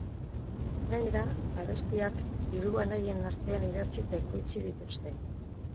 Gainera, abestiak hiru anaien artean idatzi eta ekoitzi dituzte.